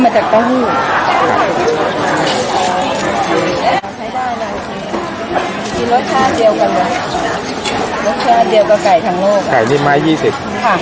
รสชาติเดียวกับไก่ทั้งโลก